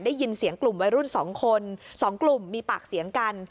ได้ยินเสียงกลุ่มวัยรุ่น๒คน๒กลุ่มมีปากเสียงกัน